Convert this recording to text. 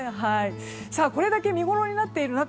これだけ見ごろになっている中